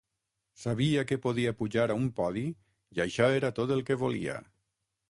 Sabia que podia pujar a un podi i això era tot el que volia.